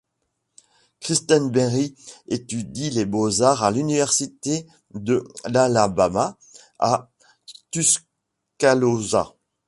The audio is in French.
Christenberry étudie les beaux-arts à l'Université de l'Alabama, à Tuscaloosa.